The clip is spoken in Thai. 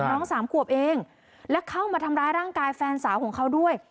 สามขวบเองและเข้ามาทำร้ายร่างกายแฟนสาวของเขาด้วย